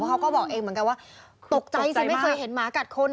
เขาก็บอกเองเหมือนกันว่าตกใจสิไม่เคยเห็นหมากัดคน